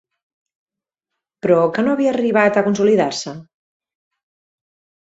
Però que no havia arribat a consolidar-se